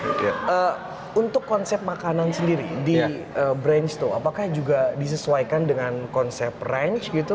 maksudnya mas m gus untuk konsep makanan sendiri di branch toe apakah juga disesuaikan dengan konsep range gitu